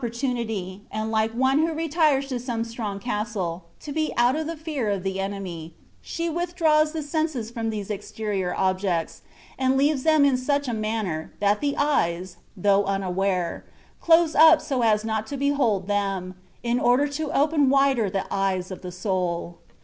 tunity, and like one who retires to some strong castle, to be out of the fear of the enemy, she withdraws the senses from these exterior objects, and leaves them in such a manner, that the eyes (though unaware) close up so as not to behold them, in order to open wider the eyes of the sonl.